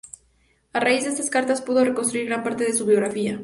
A raíz de estas cartas pudo reconstruir gran parte de su biografía.